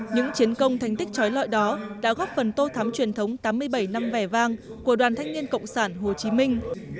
những chiến công thành tích trói lọi đó đã góp phần tô thắm truyền thống tám mươi bảy năm vẻ vang của đoàn thanh niên cộng sản hồ chí minh